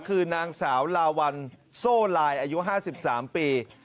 คือนางสาวลาวัลโซ่ลายอายุ๕๓ปี